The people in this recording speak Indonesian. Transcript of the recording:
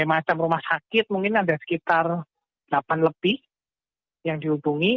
di macam rumah sakit mungkin ada sekitar delapan lebih yang dihubungi